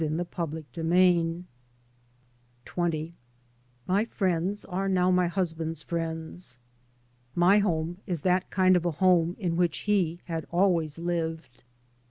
[i6o] 3 by Google CHAPTER XX MY friends are now my husband's friends. My home is that kind of a home in which he has always lived.